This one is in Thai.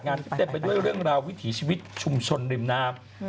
งานเรื่องราววิถีชีวิตชุมชนริมนาพ